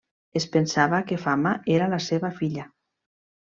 Es pensava que Fama era la seva filla.